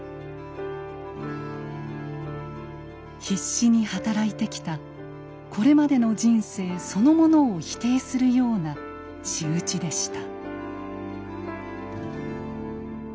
必死に働いてきたこれまでの人生そのものを否定するような仕打ちでした。